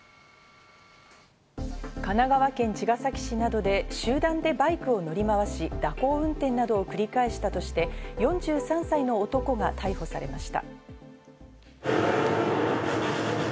神奈川県茅ヶ崎市などで、集団でバイクを乗り回し、蛇行運転などを繰り返したとして４３歳の男が逮捕されました。